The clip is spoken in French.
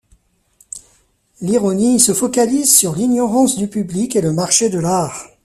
L'ironie se focalise sur l'ignorance du public et le marché de l'art.